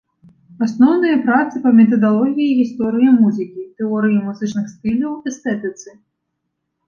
Асноўныя працы па метадалогіі гісторыі музыкі, тэорыі музычных стыляў, эстэтыцы.